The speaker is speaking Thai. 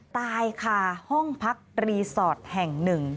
ตายค่ะห้องพักรีสอร์ทแห่งหนึ่ง